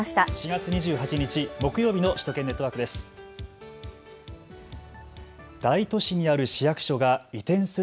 ４月２８日木曜日の首都圏ネットワークです。